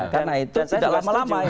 karena itu tidak lama lama ini